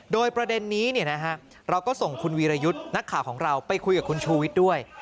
โดยประเด็นนี้เราก็ส่งคุณวีรยุทธ์นักข่าวของเราไปคุยกับคุณชูวิทย์ด้วย